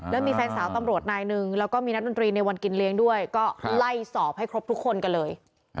แล้วมีแฟนสาวตำรวจนายหนึ่งแล้วก็มีนักดนตรีในวันกินเลี้ยงด้วยก็ไล่สอบให้ครบทุกคนกันเลย